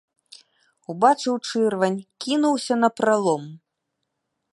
Убачыў чырвань, кінуўся напралом.